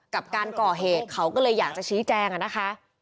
กับการก่อเหตุเขาก็เลยอยากจะชี้แจงอะนะคะ